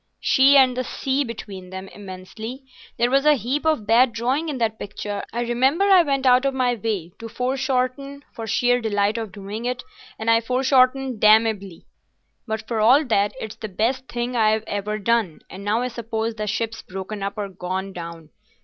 "She and the sea between them—immensely. There was a heap of bad drawing in that picture. I remember I went out of my way to foreshorten for sheer delight of doing it, and I foreshortened damnably, but for all that it's the best thing I've ever done; and now I suppose the ship's broken up or gone down.